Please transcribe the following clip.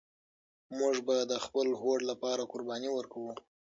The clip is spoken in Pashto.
موږ به د خپل هوډ لپاره قرباني ورکوو.